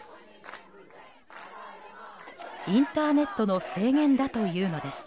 インターネットの制限だというのです。